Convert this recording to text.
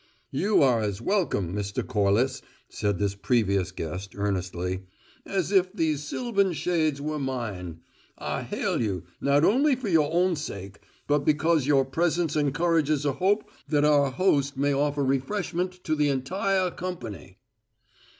"You are as welcome, Mr. Corliss," said this previous guest, earnestly, "as if these sylvan shades were mine. I hail you, not only for your own sake, but because your presence encourages a hope that our host may offer refreshment to the entire company."